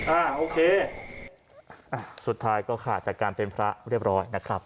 อ่าโอเคอ่ะสุดท้ายก็ขาดจากการเป็นพระเรียบร้อยนะครับ